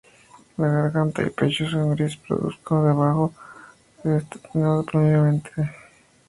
La garganta y pecho son gris parduzco; por abajo es anteado, ampliamente estriado negruzco.